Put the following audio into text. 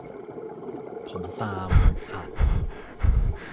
ผมตาม อะ